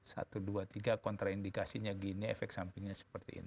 satu dua tiga kontraindikasinya gini efek sampingnya seperti ini